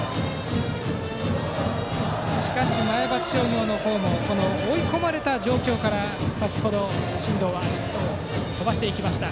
しかし前橋商業の方も追い込まれた状況から先程、真藤はヒットを飛ばしていきました。